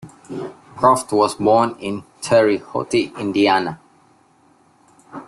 Cruft was born in Terre Haute, Indiana.